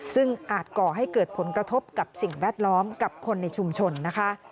ซึ่งอาจก่อให้เกิดผลกระทบกับสิ่งแวดล้อมกับคนในชุมชนนะคะ